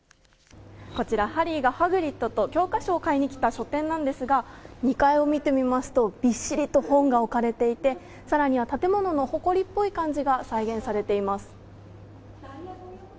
こちらハリーがハグリッドと教科書を買いに来た書店なんですが２階を見てみますとびっしりと本が置かれていてさらには建物のほこりっぽい雰囲気が再現されています。